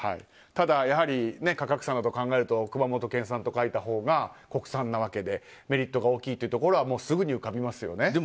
ただ、やはり価格差などを考えると熊本県産と書いたほうが国産なわけでメリットが大きいというところはすぐに浮かびますよね。